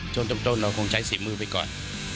ช่วงต้นเราคงใช้สิ้นมือไปก่อน